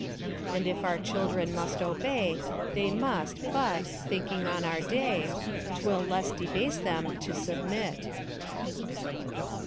"And if our children must obey, They must, but thinking on our day 'Twill less debase them to submit."